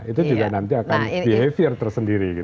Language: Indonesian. itu juga nanti akan behavior tersendiri gitu ya